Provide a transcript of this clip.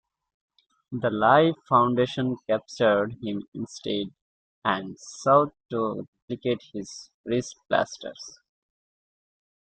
The Life Foundation captured him instead, and sought to duplicate his wrist blasters.